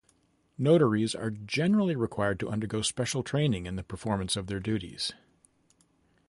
Notaries are generally required to undergo special training in the performance of their duties.